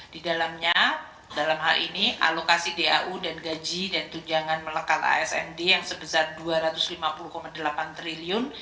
di dalamnya dalam hal ini alokasi dau dan gaji dan tunjangan melekat asmd yang sebesar rp dua ratus lima puluh delapan triliun